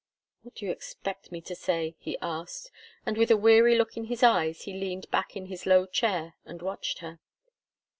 "What do you expect me to say?" he asked, and with a weary look in his eyes he leaned back in his low chair and watched her.